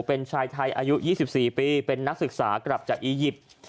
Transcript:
เป็นชายไทยอายุ๒๔ปีเป็นนักศึกษากลับจากอียิปต์